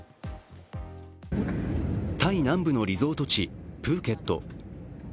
タイ南部のリゾート地、プーケット。